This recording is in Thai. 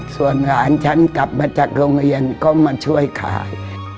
ส่วนหลานฉันกลับมาจากโรงเรียนก็มาช่วยขาย